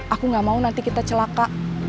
aku gak mau nanti kita celaka